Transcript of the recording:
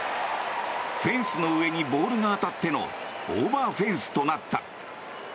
フェンスの上にボールが当たってのオーバーフェンスとなった。